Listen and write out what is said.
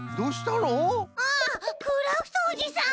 あクラフトおじさん！